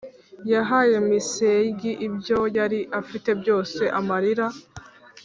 yahaye misery ibyo yari afite byose, amarira,